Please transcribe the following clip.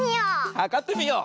はかってみよう！